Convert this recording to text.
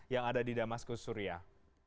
yang ada di damaskus suriah